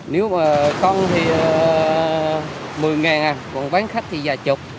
nếu mà con thì một mươi ngàn à còn bán khách thì vài chục